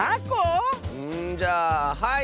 んじゃあはい！